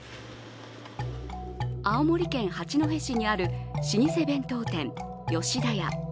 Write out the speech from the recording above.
青森県八戸市にある老舗弁当店、吉田屋。